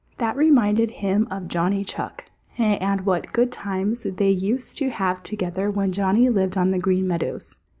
That reminded him of Johnny Chuck and what good times they used to have together when Johnny lived on the Green Meadows.